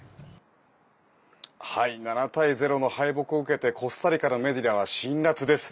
７対０の敗北を受けてコスタリカのメディアは辛らつです。